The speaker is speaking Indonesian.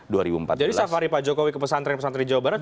jadi safari pak jokowi ke pesantren pesantren jawa barat